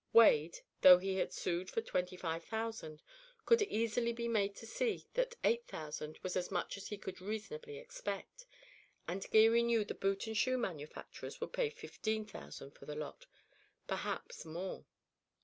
Wade, though he had sued for twenty five thousand, could easily be made to see that eight thousand was as much as he could reasonably expect, and Geary knew the boot and shoe manufacturers would pay fifteen thousand for the lot, perhaps more.